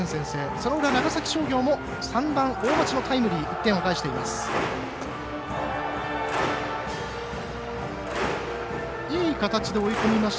その裏、長崎商業も３番、大町のタイムリーで１点を返しています。